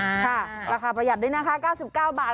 ค่ะราคาประหยัดได้นะคะ๙๙บาท